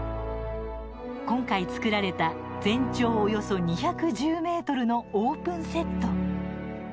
今回、作られた全長およそ２１０ｍのオープンセット。